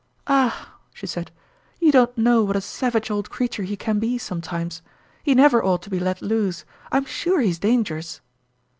" All !" she said, " you don't know what a in's first Cheque. 39 savage old creature he can be sometimes. He never ought to be let loose ; I'm sure he's dangerous